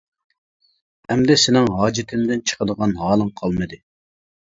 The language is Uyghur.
ئەمدى سېنىڭ ھاجىتىمدىن چىقىدىغان ھالىڭ قالمىدى.